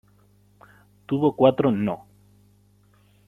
Tuvo cuatro No.